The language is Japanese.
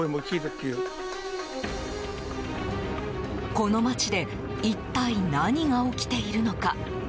この街で一体、何が起きているのか。